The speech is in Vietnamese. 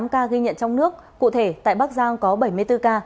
một trăm hai mươi tám ca ghi nhận trong nước cụ thể tại bắc giang có bảy mươi bốn ca